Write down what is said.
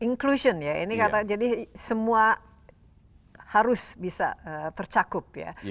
inclusion ya jadi semua harus bisa tercakup ya